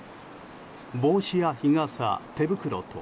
帽子や日傘、手袋と